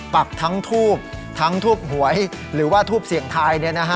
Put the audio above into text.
ปักทั้งทูบทั้งทูบหวยหรือว่าทูบเสี่ยงทาย